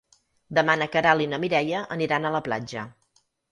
Demà na Queralt i na Mireia aniran a la platja.